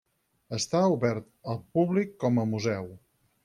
Està obert al públic com a museu.